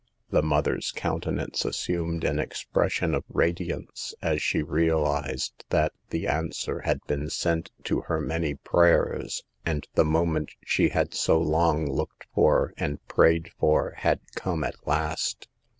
The mother's countenance assumed an ex pression of radiance as she realized that the answer had been sent to her many prayers, and the moment she hail so long looked for and prayed for had come at last.